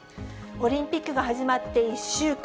オリンピックが始まって１週間。